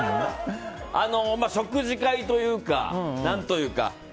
食事会というか何というか。